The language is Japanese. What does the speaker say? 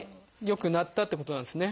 よくなったってことなんですね。